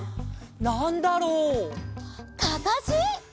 「なんだろう」「かかし！」